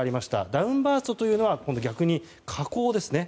ダウンバーストというのは逆に下降ですね。